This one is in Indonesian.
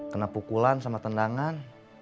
kena pukulan sama tendangan